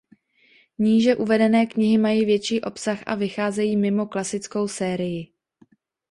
Níže uvedené knihy mají větší obsah a vycházejí mimo klasickou sérii.